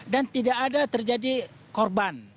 dan tidak ada terjadi korban